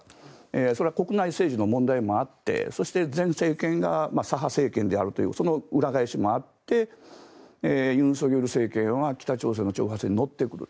それは国内政治の問題もあってそして前政権が左派政権であるというその裏返しもあって尹錫悦政権は北朝鮮の挑発に乗ってくると。